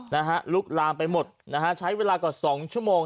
นะฮะลุกลามไปหมดนะฮะใช้เวลากว่าสองชั่วโมง